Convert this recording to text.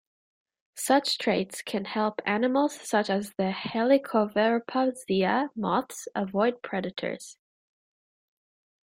Such traits can help animals such as the "Helicoverpa zea" moths avoid predators.